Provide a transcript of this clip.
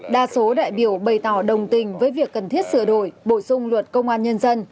đa số đại biểu bày tỏ đồng tình với việc cần thiết sửa đổi bổ sung luật công an nhân dân